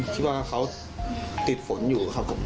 คิดว่าเขาติดฝนอยู่ครับผม